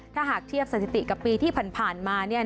ถ้าหากเทียบสถิติกับปีที่ผ่านมา